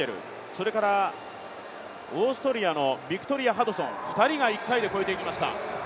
それから、オーストリアのビクトリア・ハドソン２人が１回で越えていきました。